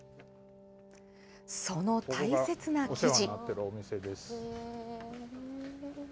その大切な生地。